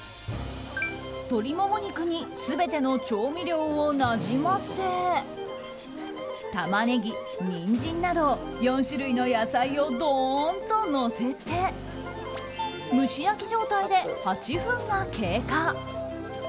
鶏モモ肉に全ての調味料をなじませタマネギ、ニンジンなど４種類の野菜をドーンとのせて蒸し焼き状態で８分が経過。